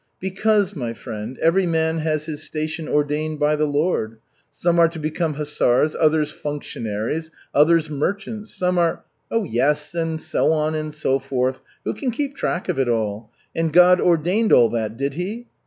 "Because, my friend, every man has his station ordained by the Lord. Some are to become hussars, others functionaries, others merchants; some are " "Oh, yes, and so on, and so forth. Who can keep track of it all? And God ordained all that, did He?"